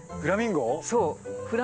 そう。